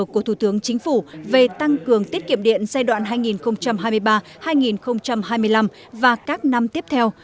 của thủ tướng chính phủ về tăng cường tiết kiệm điện giai đoạn hai nghìn hai mươi ba hai nghìn hai mươi năm và các năm tiếp theo